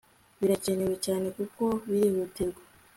Birakenewe cyane kuko birihutirwa